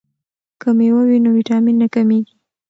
که میوه وي نو ویټامین نه کمیږي.